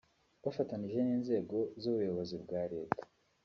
bafatanije n’inzego z’ubuyobozi bwa Leta